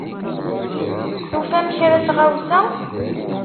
Tufam kra n tɣawsa?